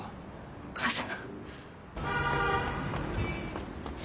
お母さん。